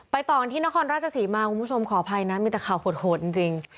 ต่อกันที่นครราชศรีมาคุณผู้ชมขออภัยนะมีแต่ข่าวโหดจริง